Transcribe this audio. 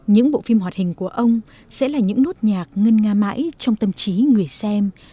những bộ phim hoạt hình của ông sẽ là những nốt nhạc ngân nga mãi trong tâm trí người xem